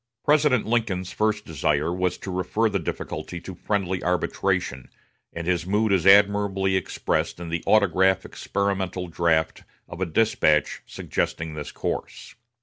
President Lincoln's first desire was to refer the difficulty to friendly arbitration, and his mood is admirably expressed in the autograph experimental draft of a despatch suggesting this course.